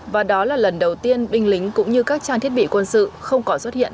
và đó là lần đầu tiên binh lính cũng như các trang thiết bị quân sự không còn xuất hiện